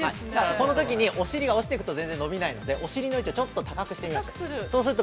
◆このときに、お尻が落ちてくと全然伸びないのでお尻の位置をちょっと高くしてみましょう。